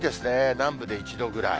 南部で１度ぐらい。